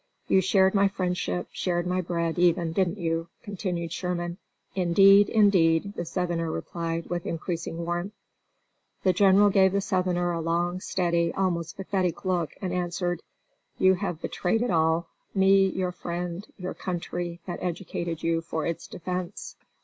"You shared my friendship, shared my bread, even, didn't you?" continued Sherman. "Indeed, indeed!" the Southerner replied, with increasing warmth. The General gave the Southerner a long, steady, almost pathetic look, and answered, "You have betrayed it all; me, your friend, your country that educated you for its defense.